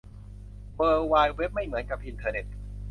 เวิล์ดไวด์เว็บไม่เหมือนกับอินเทอร์เน็ต